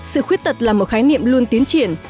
sự khuyết tật là một khái niệm luôn tiến triển